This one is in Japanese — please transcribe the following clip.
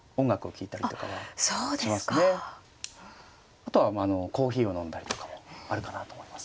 あとはコーヒーを飲んだりとかもあるかなと思います。